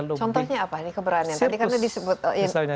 contohnya apa ini keberanian